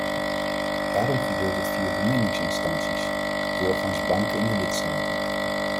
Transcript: Daarom gebeurt dit via bemiddelingsinstanties, doorgaans banken in de lidstaten.